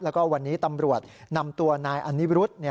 แล้วก็วันนี้ตำรวจนำตัวนายอนิรุธ